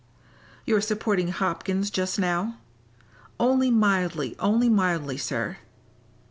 "You're supporting Hopkins just now." "Only mildly; only mildly, sir."